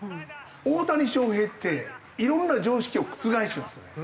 大谷翔平っていろんな常識を覆してますよね。